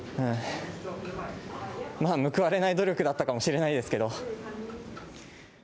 まあ、報われない努力だったかもしれないですけど。